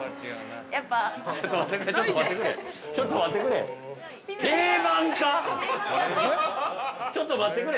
やっぱ◆ちょっと待ってくれ。